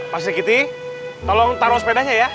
pak sekiti tolong taruh sepedanya ya